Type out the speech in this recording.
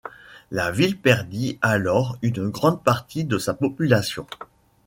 La ville perdit alors une grande partie de sa population.